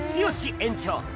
園長